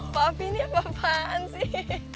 pak fi ini apaan sih